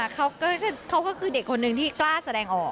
เขาก็คือเด็กคนหนึ่งที่กล้าแสดงออก